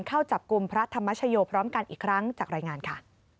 เข้าจับกลุ่มพระธรรมชโยพร้อมกันอีกครั้งจากรายงานค่ะ